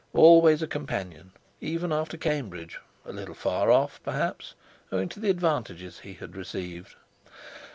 Always a companion, even after Cambridge—a little far off, perhaps, owing to the advantages he had received.